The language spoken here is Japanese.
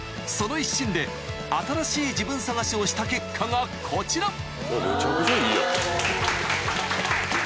［その一心で新しい自分探しをした結果がこちら］